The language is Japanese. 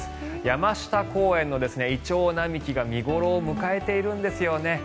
山下公園のイチョウ並木が見頃を迎えているんですよね。